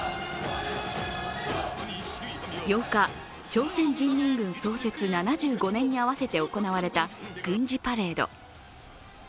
８日、朝鮮人民軍創設７５年に合わせて行われた軍事パレード。